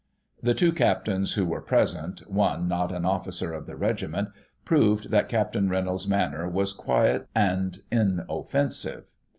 " The two captEuns who were present (one not an officer of the regiment) proved that Capt. Reynolds' manner was quiet and inoffensive.